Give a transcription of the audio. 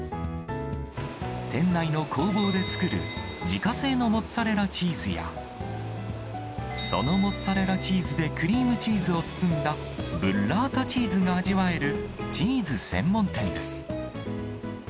店内の工房で作る自家製のモッツァレラチーズや、そのモッツァレラチーズでクリームチーズを包んだブッラータチーズが味わえる、チーズ専門店です。